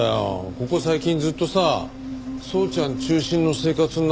ここ最近ずっとさ宗ちゃん中心の生活になってたもんだから。